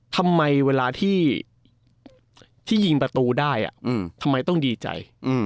ทำไมเวลาที่ยิงประตูได้ทำไมต้องดีใจ